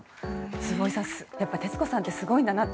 坪井さん、やっぱ徹子さんってすごいんだなって、